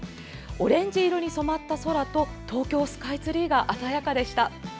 オレンジ色に染まった空と東京スカイツリーが鮮やかでした。